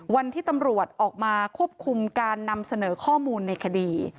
วันที่ตำรวจออกมาควบคุมการนำเสนอข้อมูลในคดี